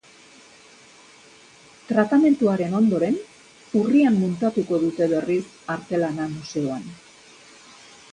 Tratamenduaren ondoren, urrian muntatuko dute berriz artelana museoan.